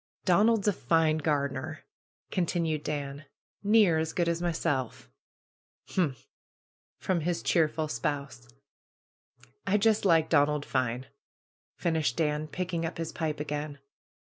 '^Donald's a fine gardener !" continued Ban. ^^Near as good as myself." ''Humph!" from his cheerful spouse. "I just like Donald fine !" finished Dan, picking up his pipe again.